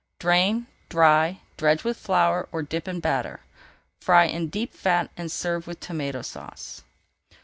Drain, dry, dredge with flour or dip in batter. Fry in deep fat and serve with Tomato Sauce.